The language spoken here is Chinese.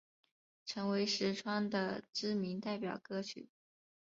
成为实川的知名代表歌曲。